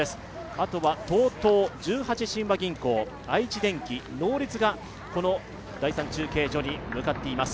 あとはＴＯＴＯ十八親和銀行愛知電機、ノーリツがこの第３中継所に向かっています。